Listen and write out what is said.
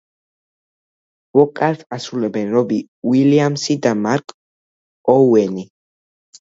ვოკალს ასრულებენ რობი უილიამსი და მარკ ოუენი.